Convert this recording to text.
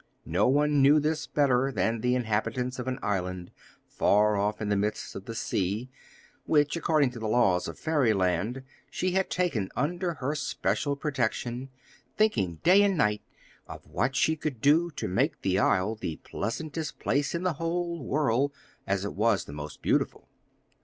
No one knew this better than the inhabitants of an island far off in the midst of the sea, which, according to the laws of fairyland, she had taken under her special protection, thinking day and night of what she could do to make the isle the pleasantest place in the whole world, as it was the most beautiful.